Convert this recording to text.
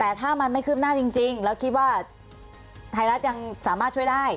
แต่ถ้ามันไม่คืบหน้าจริงแล้วคิดว่าไทยรัฐยังสามารถช่วยได้